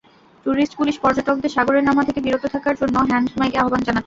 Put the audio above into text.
Tourist police পর্যটকদের সাগরে নামা থেকে বিরত থাকার জন্য হ্যান্ডমাইকে আহ্বান জানাচ্ছে।